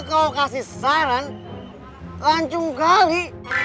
kau kasih saran lancung gali